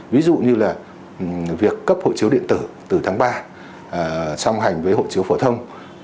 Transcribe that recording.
ví dụ như là việc cấp hộ chiếu điện tử từ tháng ba song hành với hộ chiếu phổ thông